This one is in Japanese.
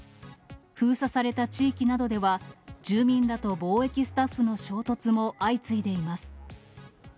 封鎖された地域などでは、住民らと防疫スタッフの衝突も相次いでいます。